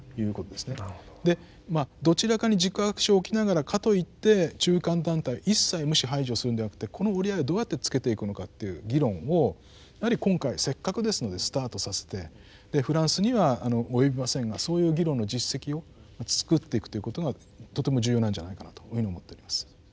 でまあどちらかに軸足を置きながらかといって中間団体一切無視排除するんではなくてこの折り合いをどうやってつけていくのかという議論をやはり今回せっかくですのでスタートさせてでフランスには及びませんがそういう議論の実績を作っていくということがとても重要なんじゃないかなというふうに思っております。